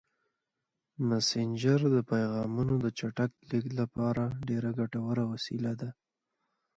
مسېنجر د پیغامونو د چټک لیږد لپاره ډېره ګټوره وسیله ده.